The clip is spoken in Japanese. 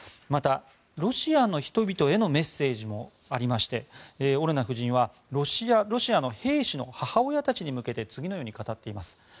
また、ロシアの人々へのメッセージもありましてオレナ夫人はロシアの兵士の母親たちに向けて次のように語っています。